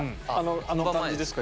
あの感じですか？